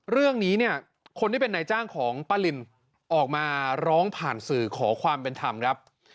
เรื่องนี้เนี่ยคนที่เป็นนายจ้างของป้าลินออกมาร้องผ่านสื่อขอความเป็นธรรมครับ